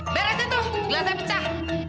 beres itu jelasnya pecah